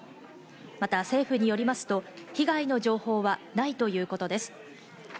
また政府によりますと被害の情報はないということです。